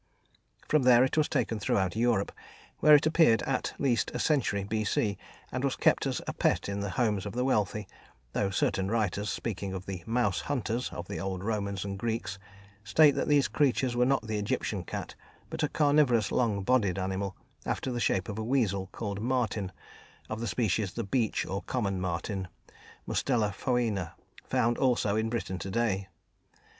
From there it was taken throughout Europe, where it appeared at least a century B.C., and was kept as a pet in the homes of the wealthy, though certain writers, speaking of the "mouse hunters" of the old Romans and Greeks, state that these creatures were not the Egyptian cat, but a carniverous, long bodied animal, after the shape of a weasel, called "marten," of the species the "beech" or "common" marten (mustela foina), found also in Britain to day.